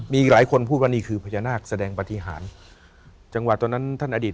มีอีกหลายคนพูดว่านี่คือพญานาคแสดงปฏิหารจังหวะตอนนั้นท่านอดีต